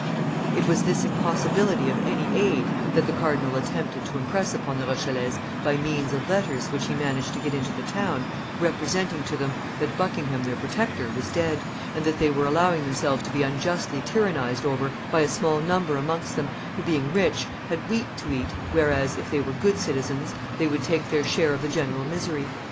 It was this impossibility of any aid that the cardinal attempted to impress upon the Rochellese by means of letters which he managed to get into the town, representing to them that Buckingham, their protector, was dead, and that they were allowing themselves to be unjustly tyrannized over by a small number amongst them, who, being rich, had wheat to eat, whereas, if they were good citizens, they would take their share of the general misery.